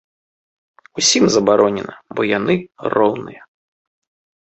Усім забаронена, бо яны роўныя.